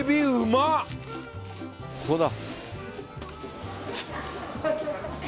ここだ。